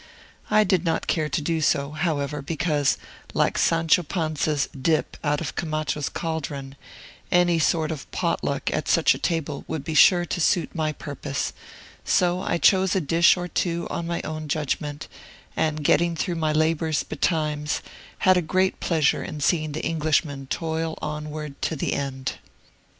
I did not care to do so, however, because, like Sancho Panza's dip out of Camacho's caldron, any sort of pot luck at such a table would be sure to suit my purpose; so I chose a dish or two on my own judgment, and, getting through my labors betimes, had great pleasure in seeing the Englishmen toil onward to the end.